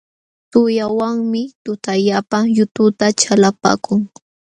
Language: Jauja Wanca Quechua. Tuqllawanmi tutallapa yututa chalapaakun.